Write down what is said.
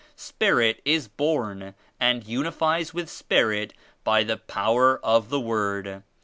Spirit is born and unifies with Spirit by the power of the Word.